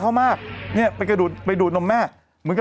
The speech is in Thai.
เป็นการกระตุ้นการไหลเวียนของเลือด